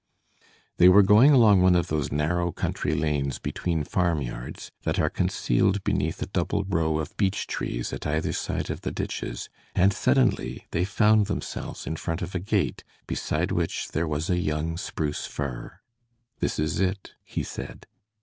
They were going along one of those narrow country lanes between farmyards, that are concealed beneath a double row of beech trees at either side of the ditches, and suddenly they found themselves in front of a gate, beside which there was a young spruce fir. "This is it," he said.